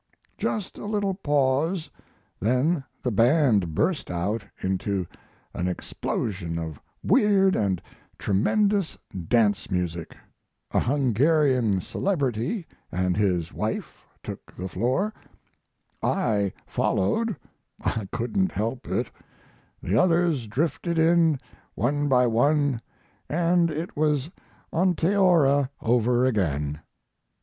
Just a little pause, then the band burst out into an explosion of weird and tremendous dance music, a Hungarian celebrity & his wife took the floor; I followed I couldn't help it; the others drifted in, one by one, & it was Onteora over again.